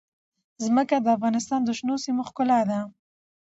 ځمکه د افغانستان د شنو سیمو ښکلا ده.